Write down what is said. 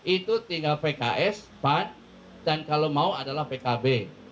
itu tinggal pks pan dan kalau mau adalah pkb